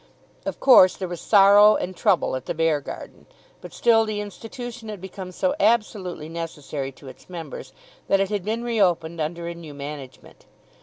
Of course there was sorrow and trouble at the Beargarden; but still the institution had become so absolutely necessary to its members that it had been reopened under a new management.